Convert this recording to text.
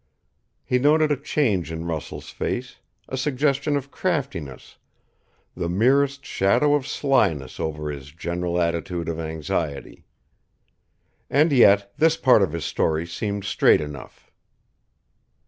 He noted a change in Russell's face, a suggestion of craftiness, the merest shadow of slyness over his general attitude of anxiety. And yet, this part of his story seemed straight enough.